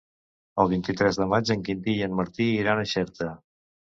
El vint-i-tres de maig en Quintí i en Martí iran a Xerta.